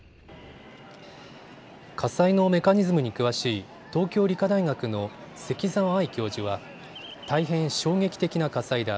火災のメカニズムに詳しい東京理科大学の関澤愛教授は大変衝撃的な火災だ。